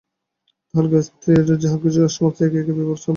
তাহার গার্হস্থ্যের যাহা কিছু সমস্ত একে একে বিভার হাতে সমর্পণ করিল।